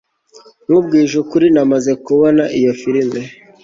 Nkubwije ukuri namaze kubona iyo firime